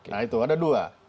nah itu ada dua